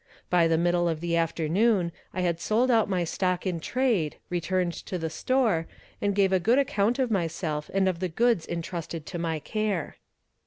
By the middle of the afternoon I had sold out my stock in trade, returned to the store, and gave a good account of myself and of the goods intrusted to my care.